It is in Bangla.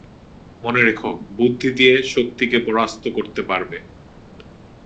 মনে রেখো, বুদ্ধি দিয়ে শক্তিকে পরাস্ত করতে পারবে।